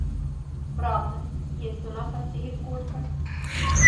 Правда, есть у нас Асеев Колька.